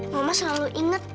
mama selalu ingat